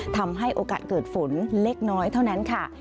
ทำให้โอกาสเกิดฝนเล็กน้อยเท่านั้นค่ะ